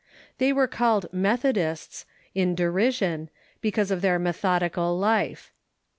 They were called Methodists, in de rision, because of their methodical life.